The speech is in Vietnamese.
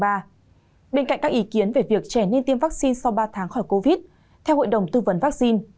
bên cạnh các ý kiến về việc trẻ nên tiêm vaccine sau ba tháng khỏi covid theo hội đồng tư vấn vaccine